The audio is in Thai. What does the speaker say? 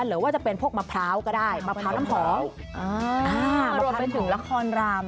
เหลือว่าจะเป็นพวกมะพร้าวก็ได้มะพร้าวน้ำภองมาพร้าวมะพร้าวพอโหลไปถึงละครรำ